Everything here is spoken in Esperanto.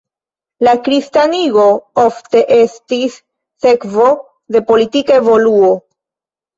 La kristanigo ofte estis sekvo de politika evoluo.